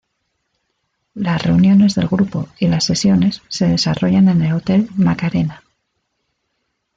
Las reuniones de grupo y las sesiones se desarrollan en el hotel Macarena.